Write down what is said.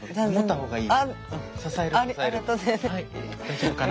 大丈夫かな？